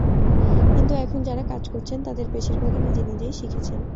কিন্তু এখন যাঁরা কাজ করছেন, তাঁদের বেশির ভাগই নিজে নিজেই শিখেছেন।